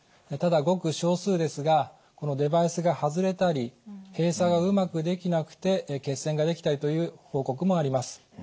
ただごく少数ですがこのデバイスが外れたり閉鎖がうまくできなくて血栓ができたりという報告もあります。